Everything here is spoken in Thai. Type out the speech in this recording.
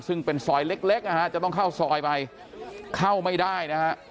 ซึ่งเป็นซอยเล็กนะฮะจะต้องเข้าซอยไปเข้าไม่ได้นะฮะ